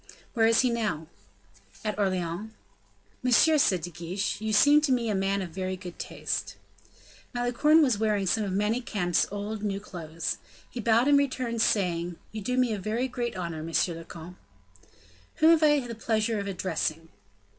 "Where is he now?" "At Orleans." "Monsieur," said De Guiche, "you seem to me a man of very good taste." Malicorne was wearing some of Manicamp's old new clothes. He bowed in return, saying, "You do me a very great honor, monsieur le comte." "Whom have I the pleasure of addressing?"